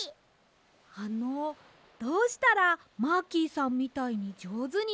あのどうしたらマーキーさんみたいにじょうずになりますか？